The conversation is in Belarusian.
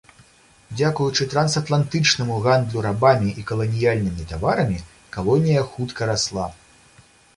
Дзякуючы трансатлантычнаму гандлю рабамі і каланіяльнымі таварамі калонія хутка расла.